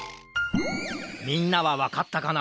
みんなはわかったかな？